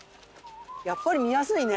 やっぱり見やすいね。